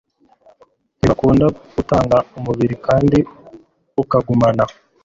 ntibakunda utanga umubiri kandi ukagumana